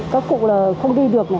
các cụ là không đi được